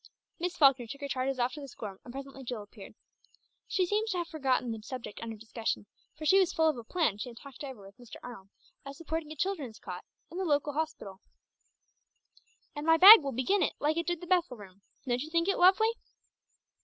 Miss Falkner took her charges off to the school room and presently Jill appeared. She seemed to have forgotten the subject under discussion, for she was full of a plan she had talked over with Mr. Arnold of supporting a children's cot in the local hospital. "And my bag will begin it, like it did the Bethel Room. Don't you think it lovely?"